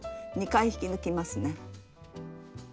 ２回引き抜きますね。